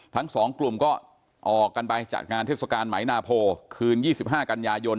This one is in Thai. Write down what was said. ทั้งสองกลุ่มก็ออกกันไปจัดงานเทศกาลไหมนาโพคืน๒๕กันยายน